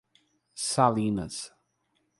Salinas